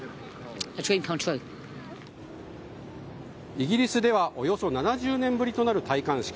イギリスではおよそ７０年ぶりとなる戴冠式。